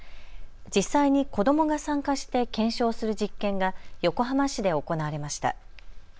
実際に子どもが参加して検証する実験が横浜市で行われました。